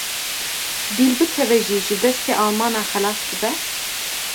Dîl bikeve jî ji destê Almanan xelas dibe?